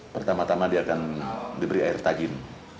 pertama tama dia akan diberi air tajin